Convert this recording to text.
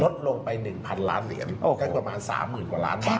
ลดลงไป๑๐๐ล้านเหรียญโอ้ก็ประมาณ๓๐๐๐กว่าล้านบาท